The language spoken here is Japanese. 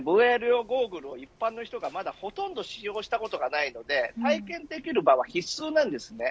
ＶＲ用ゴーグルを一般の人がまだほとんど使用したことがないので体験できる場は必須になります。